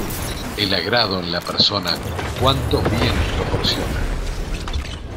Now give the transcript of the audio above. El agrado en la persona, cuantos bienes proporciona.